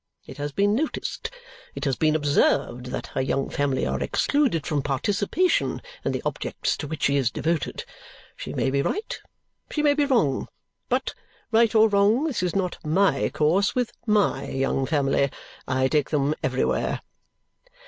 It has been noticed. It has been observed that her young family are excluded from participation in the objects to which she is devoted. She may be right, she may be wrong; but, right or wrong, this is not my course with MY young family. I take them everywhere."